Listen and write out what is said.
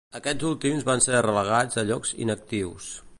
Aquests últims van ser relegats a llocs inactius.